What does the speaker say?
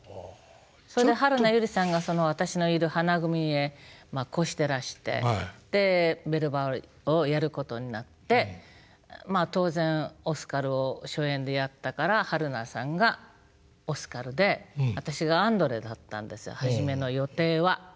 それで榛名由梨さんが私のいる花組へまあ越してらしてで「ベルばら」をやることになってまあ当然オスカルを初演でやったから榛名さんがオスカルで私がアンドレだったんですよ初めの予定は。